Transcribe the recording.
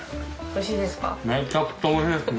おいしいですか？